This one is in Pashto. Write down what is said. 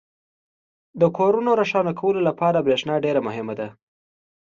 • د کورونو روښانه کولو لپاره برېښنا ډېره مهمه ده.